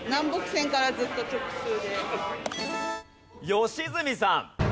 良純さん。